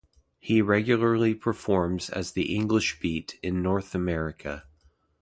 He regularly performs as The English Beat in North America.